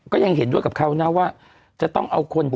ก็ยังเห็นด้วยกับเขานะว่าจะต้องเอาคน